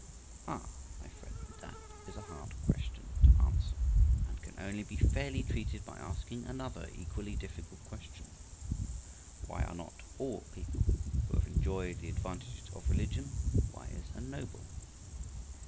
Ah, my friend, that is a hard question to answer, and can only be fairly treated by asking another equally difficult question: Why are not all people who have enjoyed the advantages of religion wise and noble?